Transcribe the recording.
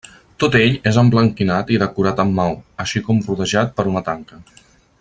Tot ell és emblanquinat i decorat amb maó, així com rodejat per una tanca.